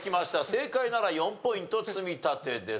正解なら４ポイント積み立てです。